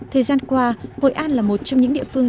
thời gian qua hội an là một trong những địa phương